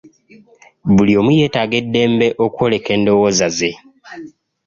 Buli omu yeetaaga eddembe okwoleka endowooza ze.